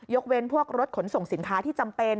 เว้นพวกรถขนส่งสินค้าที่จำเป็น